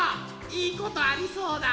「いいことありそうだ！」。